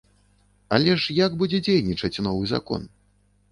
Але ж як будзе дзейнічаць новы закон?